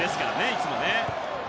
いつもは。